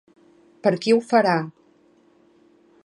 Per qui ho farà?